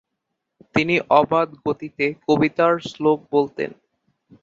তিনি অবাধ গতিতে কবিতার শ্লোক বলতেন।